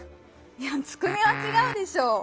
いやつくねはちがうでしょう。